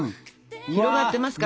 広がってますか？